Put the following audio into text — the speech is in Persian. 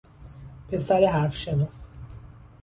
پسر حرف شنو